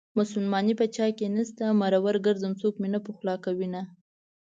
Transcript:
مسلماني په چاكې نشته مرور ګرځم څوك مې نه پخولاكوينه